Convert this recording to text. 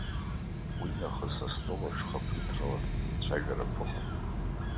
Уинахыс астол аҿы хақәиҭрала ацәажәарақәа ыҟан.